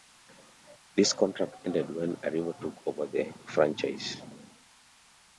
This contract ended when Arriva took over the franchise.